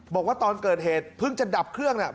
บอกว่าตอนเกิดเหตุเพิ่งจะดับเครื่องเนี่ย